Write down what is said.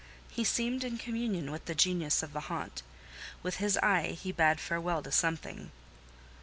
He seemed in communion with the genius of the haunt: with his eye he bade farewell to something.